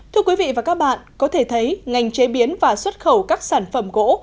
thưa quý vị và các bạn có thể thấy ngành chế biến và xuất khẩu các sản phẩm gỗ